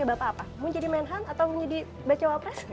bapak apa mau jadi menhan atau mau jadi bacawa pres